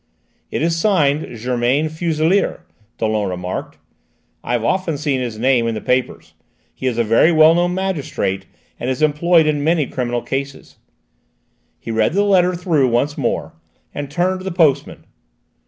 "It is signed Germain Fuselier," Dollon remarked. "I've often seen his name in the papers. He is a very well known magistrate, and is employed in many criminal cases." He read the letter through once more, and turned to the postman.